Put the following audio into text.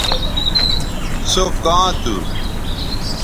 سو کاں تھو